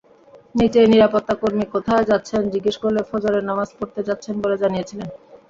নিচে নিরাপত্তাকর্মী কোথায় যাচ্ছেন জিজ্ঞেস করলে ফজরের নামাজ পড়তে যাচ্ছেন বলে জানিয়েছিলেন।